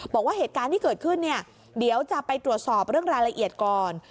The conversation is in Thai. บอกว่าเหตุการณ์ที่เกิดขึ้นเนี่ยเดี๋ยวจะไปตรวจสอบเรื่องรายละเอียดก่อน